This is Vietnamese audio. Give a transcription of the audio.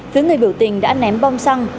phía người biểu tình đã ném bom xăng